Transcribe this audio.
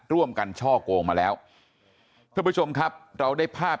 ร่วมกันช่อกงมาแล้วเพื่อผู้ชมครับเราได้ภาพ